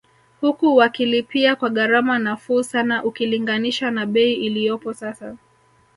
Huku wakilipia kwa gharama nafuu sana ukilinganisha na bei iliyopo sasa